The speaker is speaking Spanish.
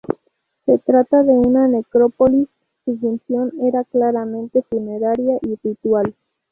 Se trata de una necrópolis, su función era claramente funeraria y ritual.